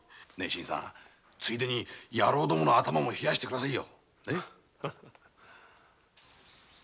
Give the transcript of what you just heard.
ついでに野郎どもの頭も冷やして下さいよ。